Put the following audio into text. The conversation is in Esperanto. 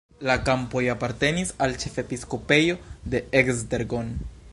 La kampoj apartenis al ĉefepiskopejo de Esztergom.